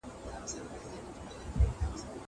که ته په خپل کار کې دقت وکړې نو هیڅکله به تاوان ونه کړې.